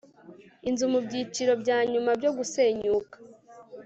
inzu mubyiciro byanyuma byo gusenyuka